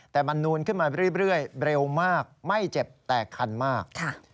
แต่มันนูนขึ้นมาเรื่อยเร็วมากไม่เจ็บแตกคันมาก